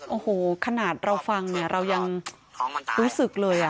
โอ้โหขนาดเราฟังเนี่ยเรายังรู้สึกเลย